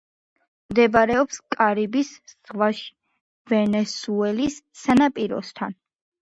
მდებარეობს კარიბის ზღვაში, ვენესუელის სანაპიროსთან.